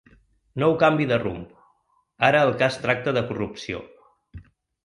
Nou canvi de rumb: ara el cas tracta de corrupció.